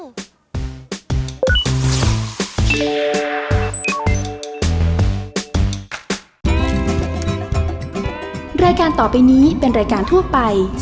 สนุดโดยบริกซีถูกสูบไปเลย